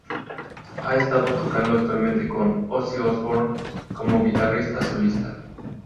Ha estado tocando actualmente con Ozzy Osbourne Como guitarrista solista.